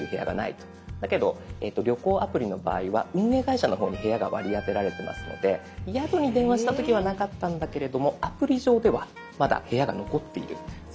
だけど旅行アプリの場合は運営会社の方に部屋が割り当てられてますので宿に電話した時はなかったんだけれどもアプリ上ではまだ部屋が残っているそんなこともありますので。